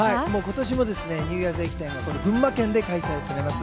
今年もニューイヤー駅伝、群馬県で開催されます。